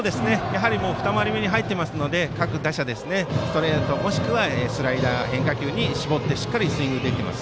二回り目に入っていますので各打者ストレート、もしくは変化球に絞ってしっかりスイングできています。